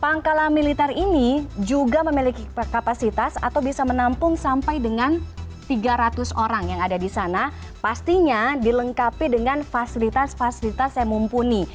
pangkalan militer ini juga memiliki kapasitas atau bisa menampung sampai dengan tiga ratus orang yang ada di sana pastinya dilengkapi dengan fasilitas fasilitas yang mumpuni